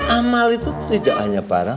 amal itu tidak hanya barang